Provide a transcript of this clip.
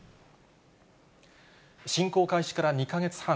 侵攻開始から２か月半。